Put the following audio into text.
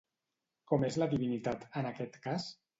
Com és la divinitat, en aquest cas?